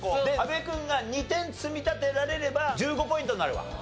阿部君が２点積み立てられれば１５ポイントになるわ。